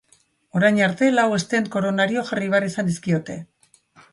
Orain arte lau stent koronario jarri behar izan dizkiote.